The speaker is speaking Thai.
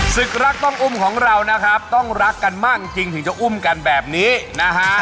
ศึกรักต้องอุ้มของเรานะครับต้องรักกันมากจริงถึงจะอุ้มกันแบบนี้นะฮะ